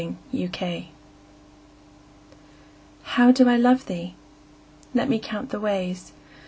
XLIII How do I love thee? Let me count the ways.